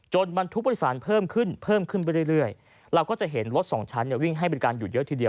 จนบรรทุกโดยสารเพิ่มขึ้นเราก็จะเห็นรถสองชั้นวิ่งให้เป็นการหยุดเยอะทีเดียว